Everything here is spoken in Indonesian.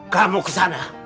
kamu ke sana